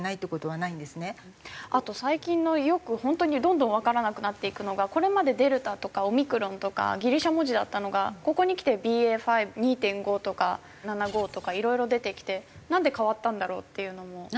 あと最近のよく本当にどんどんわからなくなっていくのがこれまでデルタとかオミクロンとかギリシャ文字だったのがここにきてＢＡ．５２．５とか７５とかいろいろ出てきてなんで変わったんだろうっていうのも正直わかんなくて。